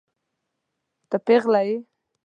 ته پيغله يې.